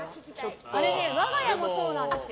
あれね我が家もそうなんですよ。